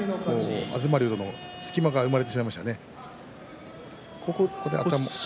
東龍との隙間が生まれてしまいましたね。